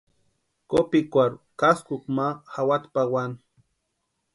Kopikwarhu káskukwa ma jawati pawani.